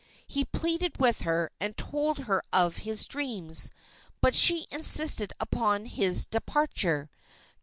He pleaded with her and told her of his dreams, but she insisted upon his departure.